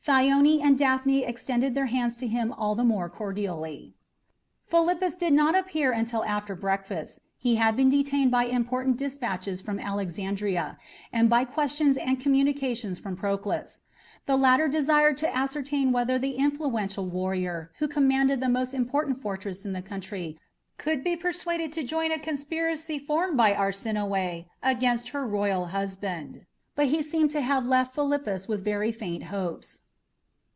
Thyone and Daphne extended their hands to him all the more cordially. Philippus did not appear until after breakfast. He had been detained by important despatches from Alexandria, and by questions and communications from Proclus. The latter desired to ascertain whether the influential warrior who commanded the most important fortress in the country could be persuaded to join a conspiracy formed by Arsinoe against her royal husband, but he seemed to have left Philippus with very faint hopes.